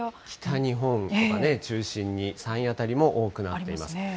北日本とか中心に山陰辺りも多くなっています。